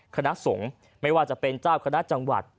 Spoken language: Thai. คณะสงฆ์ไม่ว่าจะเป็นเจ้าคณะจังหวัด